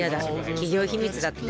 企業秘密だって。